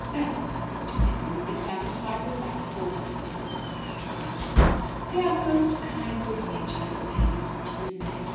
"Oh, do you think they would be satisfied with that sort of thing?" asked her aunt. "They are most kind, good natured old ladies," pursued May.